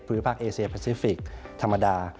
ภูมิภาคเอเซียพาซิฟิกส์ธรรมดา